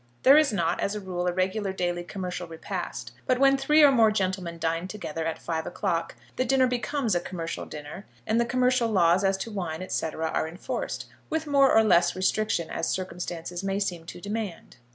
There is not, as a rule, a regular daily commercial repast; but when three or more gentlemen dine together at five o'clock, the dinner becomes a commercial dinner, and the commercial laws as to wine, &c., are enforced, with more or less restriction as circumstances may seem to demand.